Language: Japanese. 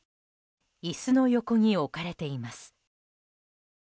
椅子の横に置かれています。